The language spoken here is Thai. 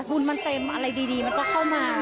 บุญมันเต็มอะไรดีมันก็เข้ามา